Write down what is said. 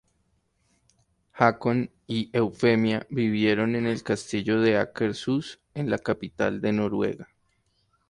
Haakon y Eufemia vivieron en el Castillo de Akershus, en la capital de Noruega.